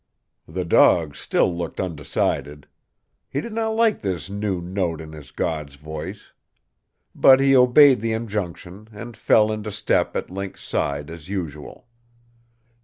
The dog still looked undecided. He did not like this new note in his god's voice. But he obeyed the injunction, and fell into step at Link's side as usual.